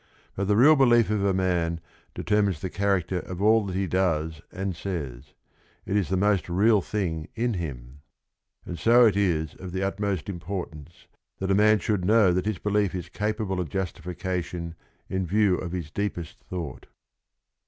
But the real belief of a man determines the character of all that he does and says; it is the most real thing in him. And so it is of the ut most importance that a man should know that his belief is capable of justification in view of his deepest thought.